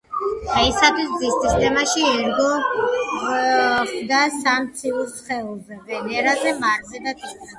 დღეისათვის მზის სისტემაში ერგი გვხვდება სამ ციურ სხეულზე: ვენერაზე, მარსზე და ტიტანზე.